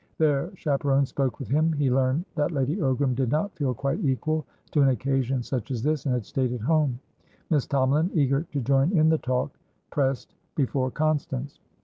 Their chaperon spoke with him; he learned that Lady Ogram did not feel quite equal to an occasion such as this, and had stayed at home. Miss Tomalin, eager to join in the talk, pressed before Constance.